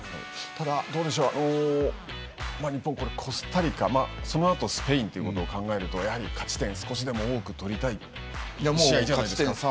ただ、日本はコスタリカそのあとスペインということを考えるとやはり勝ち点少しでも多く取りたい試合じゃないですか。